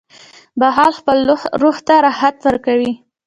• بخښل خپل روح ته راحت ورکوي.